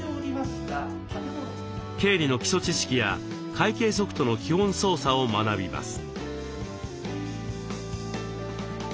経理の基礎知識や会計ソフトの基本操作を学びます。